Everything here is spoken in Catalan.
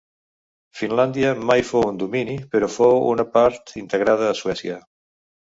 Finlàndia mai fou un domini, però fou una part integrada a Suècia.